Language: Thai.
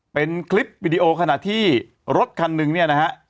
เป็นคลิปวิดีโอขณะที่รถคันหนึ่งเนี่ยนะฮะ